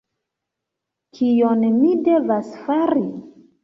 Kion mi devas fari?